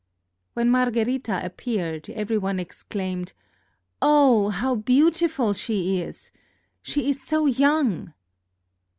When Margherita appeared, every one exclaimed: "Oh, how beautiful she is! She is so young!"